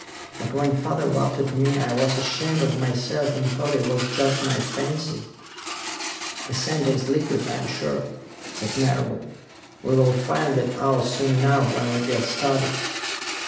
But when father laughed at me, I was ashamed of myself and thought it was just my fancy." "The center is liquid, I'm sure," said Marable. "We will find that out soon enough, when we get started."